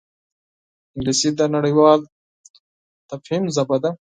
انګلیسي د نړیوال تفهیم ژبه ده